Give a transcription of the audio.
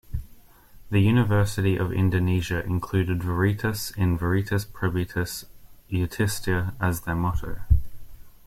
The University of Indonesia included Veritas in "Veritas, Probitas, Iustitia" as their motto.